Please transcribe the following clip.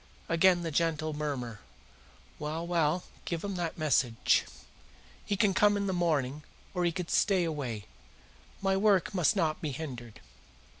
Again the gentle murmur. "Well, well, give him that message. He can come in the morning, or he can stay away. My work must not be hindered."